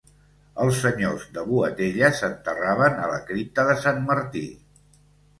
Els senyors de Boatella s'enterraven a la cripta de Sant Martí.